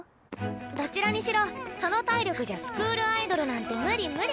どちらにしろその体力じゃスクールアイドルなんて無理無理！